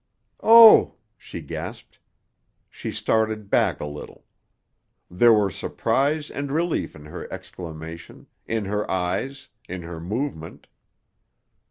"Oh!" she gasped. She started back a little. There were surprise and relief in her exclamation, in her eyes, in her movement.